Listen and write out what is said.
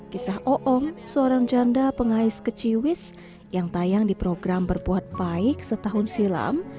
kisah o'om seorang janda pengais keciwis yang tayang di program berbuatbaik setahun silam